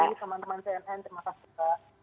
terima kasih teman teman cnn terima kasih juga